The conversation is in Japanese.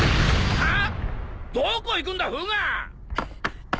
あっ。